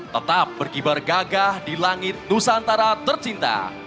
tetap berkibar gagah di langit nusantara tercinta